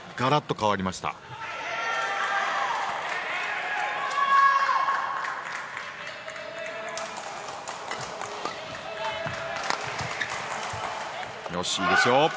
よし、いいですよ。